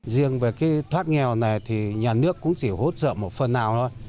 riêng về cái thoát nghèo này thì nhà nước cũng chỉ hốt dợ một phần nào thôi